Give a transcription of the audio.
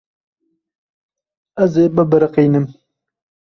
Ez ê bibiriqînim.